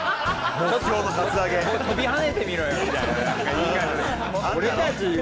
跳びはねてみろよみたいな。